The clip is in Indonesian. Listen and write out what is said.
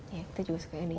iya kita juga suka nature